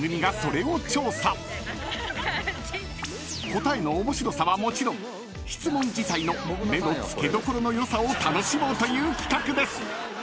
［答えの面白さはもちろん質問自体の目の付けどころの良さを楽しもうという企画です］